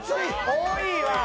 多いわ！